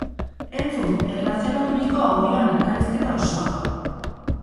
Entzun erlazionaturiko audioan elkarrizketa osoa!